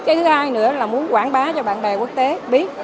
cái thứ hai nữa là muốn quảng bá cho bạn bè quốc tế biết